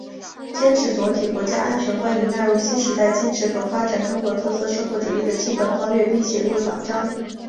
坚持总体国家安全观已纳入新时代坚持和发展中国特色社会主义的基本方略并写入党章